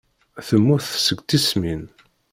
Temmut seg tismin.